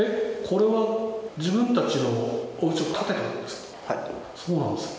これは自分たちのおうちを建てたんですか？